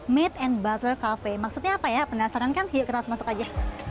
made and butter cafe maksudnya apa ya penasaran kan yuk kita harus masuk aja